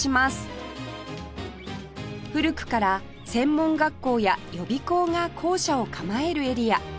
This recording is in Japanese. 古くから専門学校や予備校が校舎を構えるエリア